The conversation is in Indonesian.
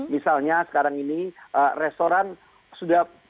misalnya sekarang ini restoran sudah